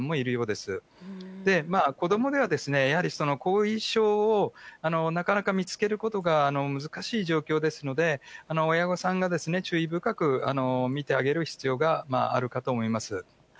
で、子どもではですね、やはり後遺症をなかなか見つけることが難しい状況ですので、親御さんが注意深く見てあげる必要があるかと思います。